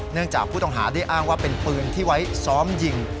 จากผู้ต้องหาได้อ้างว่าเป็นปืนที่ไว้ซ้อมยิง